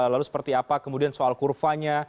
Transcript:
lalu seperti apa kemudian soal kurvanya